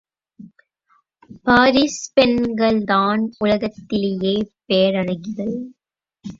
Paris பெண்கள்தான் உலகத்திலேயே பேரழகிகள்.